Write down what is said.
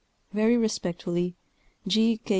Very respectfully, G. K.